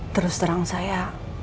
terus terang saya